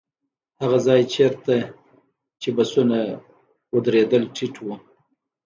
هغه ځای چېرته چې بسونه ودرېدل ټيټ و.